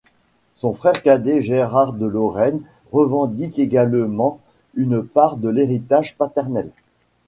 Son frère cadet Gérard de Lorraine revendique également une part de l'héritage paternel.